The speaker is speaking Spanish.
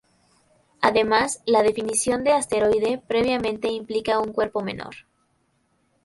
Además, la definición de asteroide previamente implica un cuerpo menor.